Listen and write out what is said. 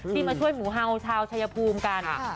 มาช่วยหมูเฮาชาวชายภูมิกัน